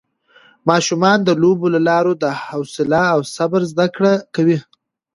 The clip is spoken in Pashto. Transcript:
ماشومان د لوبو له لارې د حوصله او صبر زده کړه کوي